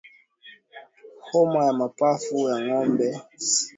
Homa ya Mapafu ya Ng'ombe CBPP